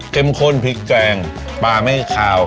ข้นพริกแกงปลาไม่คาว